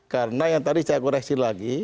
karena yang tadi saya koreksi lagi